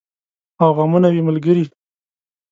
او غمونه وي ملګري